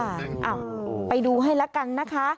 เอ้าไปดูให้ละกันนะคะ